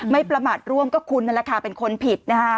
ประมาทร่วมก็คุณนั่นแหละค่ะเป็นคนผิดนะคะ